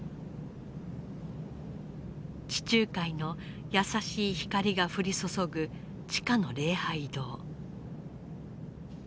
地中海の優しい光が降り注ぐ地下の礼拝堂。